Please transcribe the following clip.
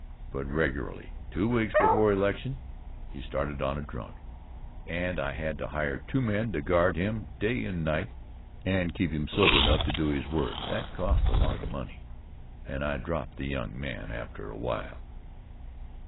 But, regularly, two weeks before election, he started on a drunk, and I had to hire two men to guard him day and night and keep him sober enough to do his work. That cost a lot of money, and I dropped the young man after a while.